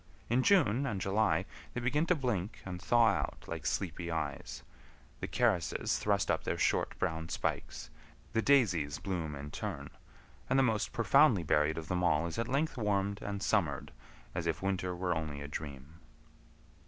In June and July they begin to blink and thaw out like sleepy eyes, the carices thrust up their short brown spikes, the daisies bloom in turn, and the most profoundly buried of them all is at length warmed and summered as if winter were only a dream.